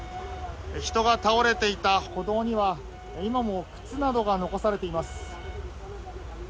人が倒れていた歩道には今も靴などが残されています。